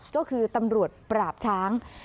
ก็คือตำรวจปราบช้าง